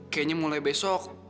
kayaknya mulai besok